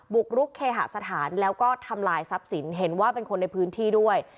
กรุกเคหสถานแล้วก็ทำลายทรัพย์สินเห็นว่าเป็นคนในพื้นที่ด้วย